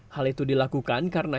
hal itu dilakukan karena